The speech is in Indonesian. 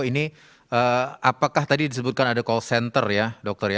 ini apakah tadi disebutkan ada call center ya dokter ya